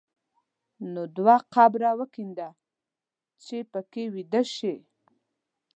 نو دوه قبره وکینده چې په کې ویده شې.